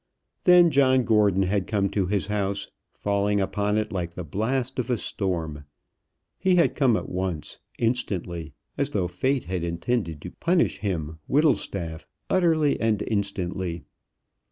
Then John Gordon had come to his house, falling upon it like the blast of a storm. He had come at once instantly as though fate had intended to punish him, Whittlestaff, utterly and instantly.